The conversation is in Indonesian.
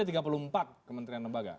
ada tiga puluh empat kementerian lembaga